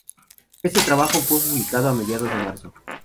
Este trabajo fue publicado a mediados de marzo.